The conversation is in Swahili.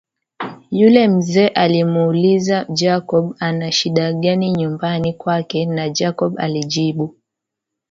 Yule mzee alimuuliza Jacob ana shida gani nyumbani kwake na Jacob alijibu